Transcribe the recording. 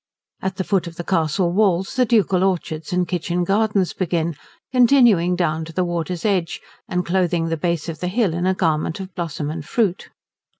At the foot of the castle walls the ducal orchards and kitchen gardens begin, continuing down to the water's edge and clothing the base of the hill in a garment of blossom and fruit.